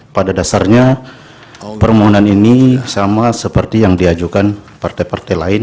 pada dasarnya permohonan ini sama seperti yang diajukan partai partai lain